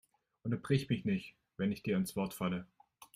Unterbrich mich nicht, wenn ich dir ins Wort falle!